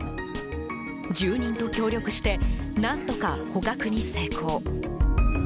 住人と協力して何とか捕獲に成功。